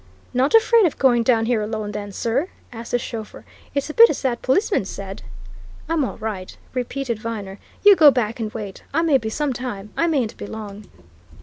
"Not afraid of going down here alone, then, sir?" asked the chauffeur. "It's a bit as that policeman said." "I'm all right," repeated Viner. "You go back and wait. I may be some time. I mayn't be long."